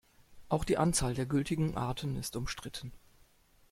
Auch die Anzahl der gültigen Arten ist umstritten.